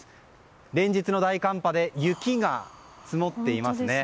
連日の大寒波で雪が積もっていますね。